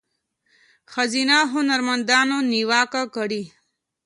ښځینه هنرمندانو نیوکه کړې